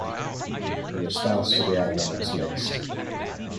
The response to the album was mixed.